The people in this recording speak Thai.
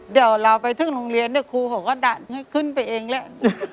เดี๋ยวเราไปถึงโรงเรียนเดี๋ยวครูเขาก็ดันให้ขึ้นไปเองแหละ